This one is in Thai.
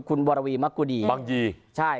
บรวรวีมกุดีบังยีใช่